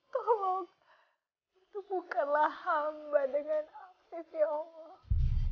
kau bukanlah hamba dengan afif ya allah